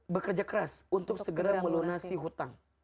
bekerja keras untuk segera melunasi hutang